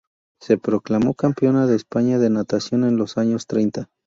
Se proclamó campeona de España de natación en los años treinta.